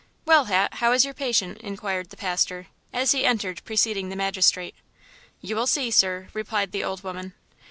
"Well, Hat, how is your patient?" inquired the pastor, as he entered preceding the magistrate. "You will see, sir," replied the old woman.